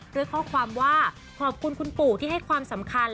ด้วยข้อความว่าขอบคุณคุณปู่ที่ให้ความสำคัญ